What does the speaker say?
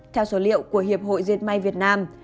theo số liệu của hiệp hội diệt may việt nam